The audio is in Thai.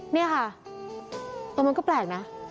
นี่ค่ะมันก็แปลกนะ